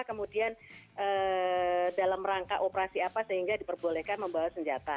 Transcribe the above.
kemudian dalam rangka operasi apa sehingga diperbolehkan membawa senjata